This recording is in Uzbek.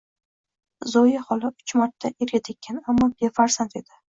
Zoya xola uch marta erga tekkan, ammo befarzand edi.